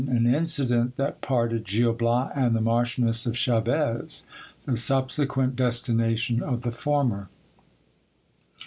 — An incident that parted Gil Bias and the Marchioness of Chaves. The subsequent destination of the former.